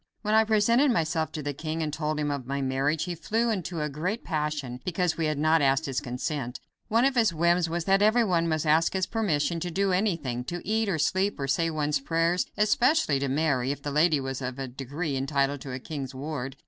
When I presented myself to the king and told him of my marriage, he flew into a great passion because we had not asked his consent. One of his whims was that everyone must ask his permission to do anything; to eat, or sleep, or say one's prayers; especially to marry, if the lady was of a degree entitled to be a king's ward.